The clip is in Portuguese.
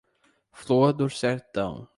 Flor do Sertão